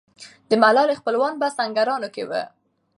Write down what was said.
د ملالۍ خپلوان په سینګران کې وو.